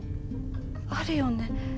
あるよね？